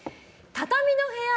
畳の部屋。